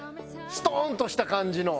ストンとした感じの。